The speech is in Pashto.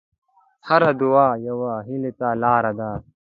هره دعا یوه هیلې ته لاره ده.